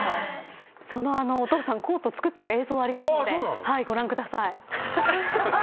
そのお父さんコート造ってる映像ありますのでご覧ください。